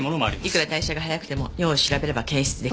いくら代謝が早くても尿を調べれば検出出来る。